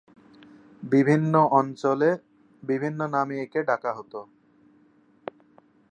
বিভিন্ন অঞ্চলে বিভিন্ন নামে একে ডাকা হতো।